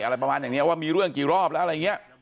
อะไรประมาณอย่างเนี่ยว่ามีเรื่องกี่รอบแล้วอะไรอย่างเนี่ย